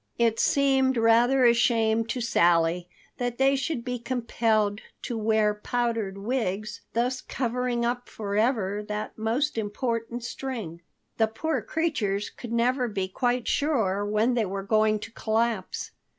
It seemed rather a shame to Sally that they should be compelled to wear powdered wigs, thus covering up forever that most important string. The poor creatures could never be quite sure when they were going to collapse.